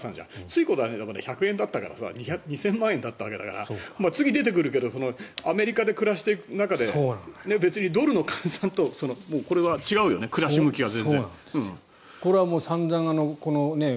つい、この間まで１００円だったから２０００万円だったわけだから次出てくるけどアメリカで暮らしてく中で別にドルの換算とこれは違うよね、暮らし向きは。